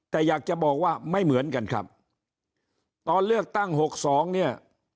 แต่อยากจะบอกว่าไม่เหมือนกันครับตอนเลือกตั้งหกสองเนี่ย